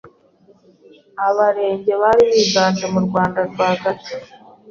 Abarenge bari biganje mu Rwanda rwagati,